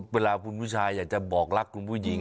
เวลาคุณผู้ชายอยากจะบอกรักคุณผู้หญิง